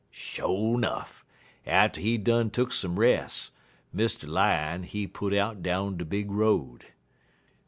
"Sho' nuff, atter he done tuck some res', Mr. Lion, he put out down de big road.